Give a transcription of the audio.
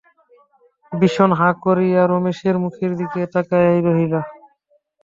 বিষন হাঁ করিয়া রমেশের মুখের দিকে তাকাইয়া রহিল।